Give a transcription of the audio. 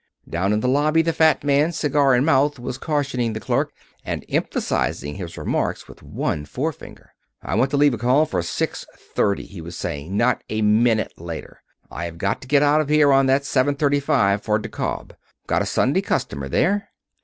Down in the lobby the fat man, cigar in mouth, was cautioning the clerk, and emphasizing his remarks with one forefinger. "I want to leave a call for six thirty," he was saying. "Not a minute later. I've got to get out of here on that 7:35 for DeKalb. Got a Sunday customer there."